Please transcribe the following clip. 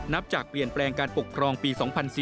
นับจากเปลี่ยนแปลงการปกครองปี๒๔๔